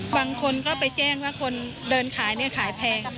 บางคนก็ไปแจ้งว่าคนเดินขายเนี่ยขายแพง